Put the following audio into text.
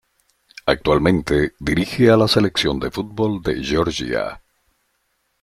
Actualmente dirige a la Selección de fútbol de Georgia.